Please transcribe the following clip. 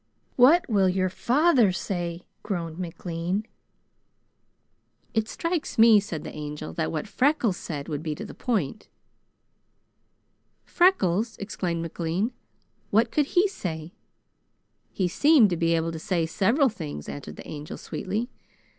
"What will your father say?" groaned McLean. "It strikes me," said the Angel, "that what Freckles said would be to the point." "Freckles!" exclaimed McLean. "What could he say?" "He seemed to be able to say several things," answered the Angel sweetly.